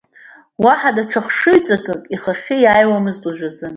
Уаҳа даҽа хшыҩҵакык ихахьы иааиуамызт уажәазы.